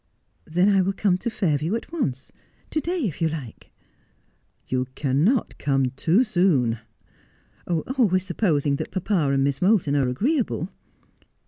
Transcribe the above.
' Then I will come to Fairview at once ; to day, if you like. '' You cannot come too soon.' ' Always supposing that papa and Miss Moulton are agree able.'